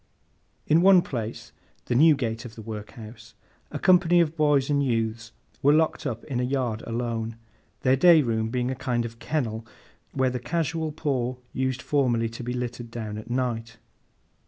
In one place, the Newgate of the Workhouse, a company of boys and youths were locked up in a yard alone; their day room being a kind of kennel where the casual poor used formerly to be littered down at night.